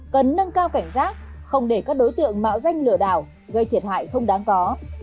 cần nâng cao cảnh giác không để các đối tượng mạo danh lừa đảo gây thiệt hại không đáng có